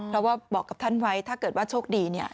เพราะว่าบอกกับท่านไว้ถ้าเกิดว่าโชคดีเนี่ย